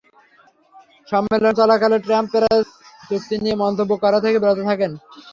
সম্মেলন চলাকালে Trump Paris চুক্তি নিয়ে মন্তব্য করা থেকে বিরত থাকেন।